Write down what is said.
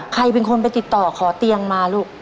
ใครเป็นคนไปติดต่อขอเตียงมาลูก